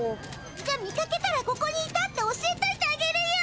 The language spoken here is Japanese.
じゃ見かけたらここにいたって教えといてあげるよ。